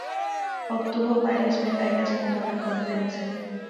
Obtuvo varias medallas como recompensa.